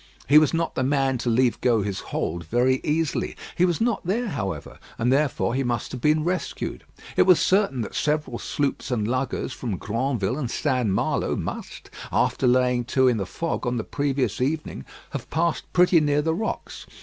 He was not the man to leave go his hold very easily. He was not there, however; and therefore he must have been rescued. It was certain that several sloops and luggers, from Granville and St. Malo, must, after laying to in the fog on the previous evening, have passed pretty near the rocks.